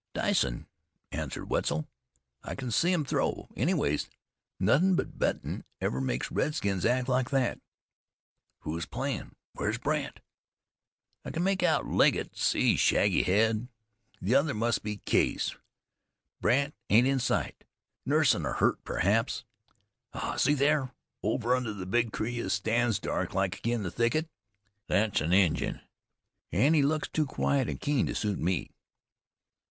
"Dicin'," answered Wetzel. "I can see 'em throw; anyways, nothin' but bettin' ever makes redskins act like that." "Who's playin'? Where's Brandt?" "I can make out Legget; see his shaggy head. The other must be Case. Brandt ain't in sight. Nursin' a hurt perhaps. Ah! See thar! Over under the big tree as stands dark like agin the thicket. Thet's an Injun, an' he looks too quiet an' keen to suit me.